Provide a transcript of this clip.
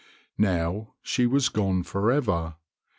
Now she was gone for ever.